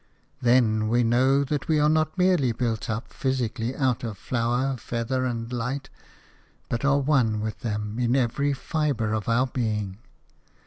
Then we know that we are not merely built up physically out of flower, feather and light, but are one with them in every fibre of our being.